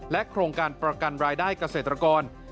โครงการประกันรายได้เกษตรกร